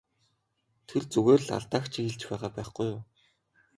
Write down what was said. Тэр зүгээр л алдааг чинь хэлж байгаа байхгүй юу!